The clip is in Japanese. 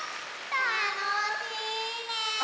たのしいね！